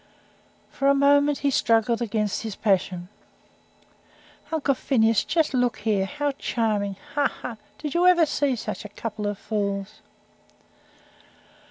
For a moment he struggled against his passion. "Uncle Phineas, just look here. How charming! Ha, ha! Did you ever see such a couple of fools?"